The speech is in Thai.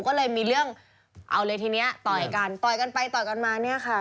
ก็เลยมีเรื่องเอาเลยทีนี้ต่อยกันต่อยกันไปต่อยกันมาเนี่ยค่ะ